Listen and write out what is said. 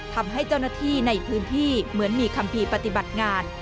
ทำให้เจ้าหน้าที่ในพื้นที่เหมือนมีคัมภีร์ปฏิบัติงาน